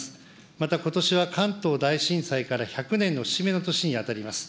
また、ことしは関東大震災から１００年の節目の年に当たります。